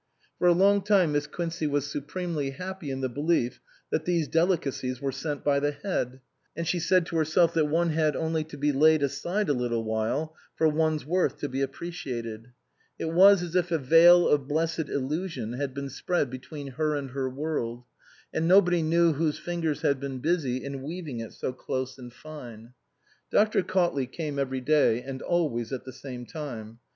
For a long time Miss Quincey was supremely happy in the belief that these delicacies were sent by the Head ; and she said to herself that one had only to be laid aside a little while for one's worth to be appreciated. It was as if a veil of blessed illusion had been spread between her and her world ; and nobody knew whose fingers had been busy in weaving it so close and fine. Dr. Cautley came every day and always at the same time.